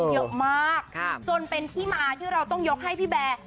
เยอะมากจนเป็นที่มาที่เราต้องยกให้พี่แบร์